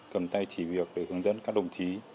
cầm tay chỉ việc để hướng dẫn các đồng chí